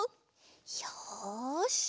よし。